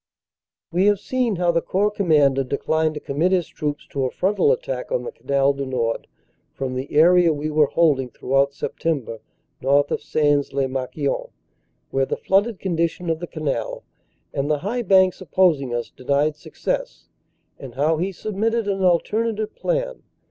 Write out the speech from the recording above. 201 202 CANADA S HUNDRED DAYS We have seen how the Corps Commander declined to com mit his troops to a frontal attack on the Canal du Nord from the area we were holding throughout September north of Sains lez Marquion, where the flooded condition of the canal and the high banks opposing us denied success, and how he submitted an alternative plan.